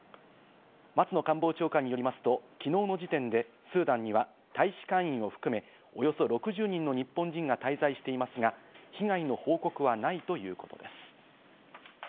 松野官房長官によりますと、昨日の時点でスーダンには大使館員を含め、およそ６０人の日本人が滞在していますが、被害の報告はないということです。